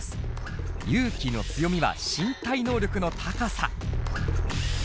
ＹＵ−ＫＩの強みは身体能力の高さ。